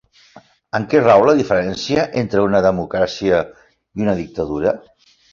En què rau la diferència entre una democràcia i una dictadura?